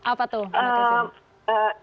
apa tuh mbak christine